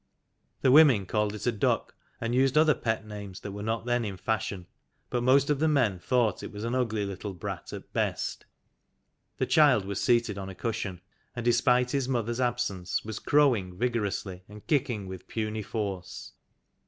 The women called it a duck, and used other pet names that were not then in fashion, but most of the men thought it was an ugly little brat at best. The child was seated on a cushion, and despite his mother's absence was crowing vigorously and kicking with puny force.